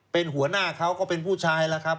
เป็นหัวหน้าเขาก็เป็นผู้ชายแล้วครับ